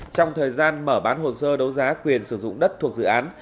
trong thời gian mở bán hồ sơ đấu giá quyền sử dụng đất thuộc dự án